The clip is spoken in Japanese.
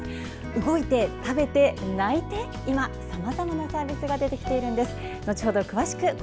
動いて、食べて、泣いて今、さまざまなサービスが出てきているんです。